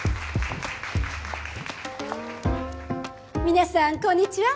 皆さんこんにちは。